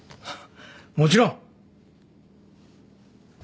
もちろん。